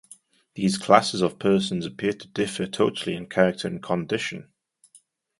These classes of persons appear to differ totally in character and condition.